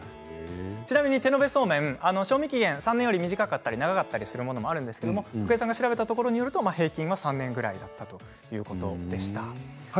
ちなみに手延べそうめん賞味期限が３年より短かったり長かったりするものがあるんですが徳江さんが調べたところ平均は３年ぐらいということでした。